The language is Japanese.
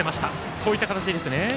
こういった形でいいんですね。